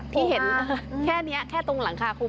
ที่เห็นแค่นี้แค่ตรงหลังคาคุม